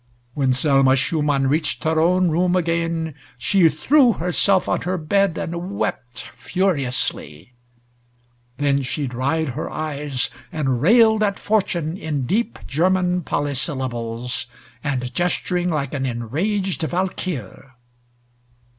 When Selma Schumann reached her own room again she threw herself on her bed and wept furiously. Then she dried her eyes and railed at Fortune in deep German polysyllables, and gesturing like an enraged Valkyr.